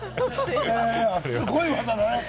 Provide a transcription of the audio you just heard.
すごい技だね。